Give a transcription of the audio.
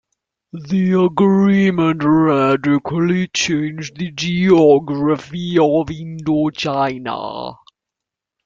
The Agreement radically changed the geography of Indochina.